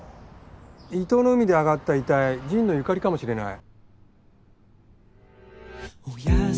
伊東の海で上がった遺体神野由香里かもしれない。